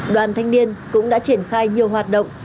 đoàn thanh niên cũng đã triển khai nhiều hoạt động